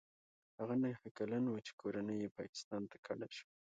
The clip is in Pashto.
هغه نهه کلن و چې کورنۍ یې پاکستان ته کډه شوه.